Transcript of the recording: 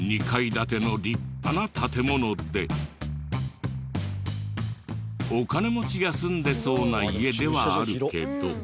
２階建ての立派な建物でお金持ちが住んでそうな家ではあるけど。